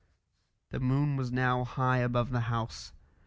The moon was now high above the house.